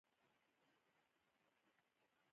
ایا زه حمام کولی شم؟